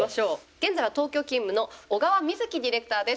現在は東京勤務の小川瑞生ディレクターです。